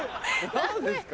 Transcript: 何ですか。